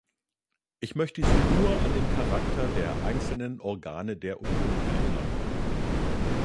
Ich möchte Sie nur an den Charakter der einzelnen Organe der Union erinnern.